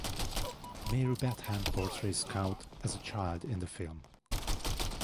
Mary Badham portrays Scout as a child in the film.